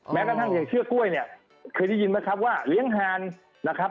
แม้กระทั่งอย่างเชือกกล้วยเนี่ยเคยได้ยินไหมครับว่าเลี้ยงหานนะครับ